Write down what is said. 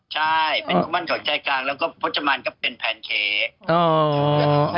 ใช่เป็นมั่นของใจกลางแล้วก็พจมันก็เป็นแพนเค้ก